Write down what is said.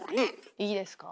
いいですか？